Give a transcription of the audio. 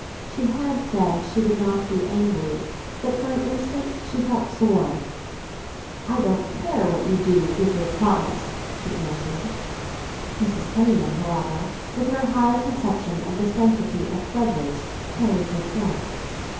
She had said she would not be angry; but for an instant she felt sore. "I don't care what you do with your promise!" she answered. Mrs. Penniman, however, with her high conception of the sanctity of pledges, carried her point.